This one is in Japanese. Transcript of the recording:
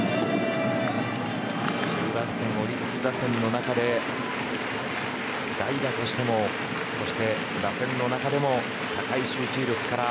オリックス打線の中で代打としてもそして打線の中でも高い集中力から